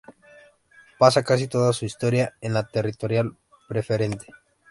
Pasa casi toda su historia en la Territorial Preferente.